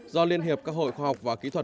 do liên hiệp các hội khoa học và kỹ thuật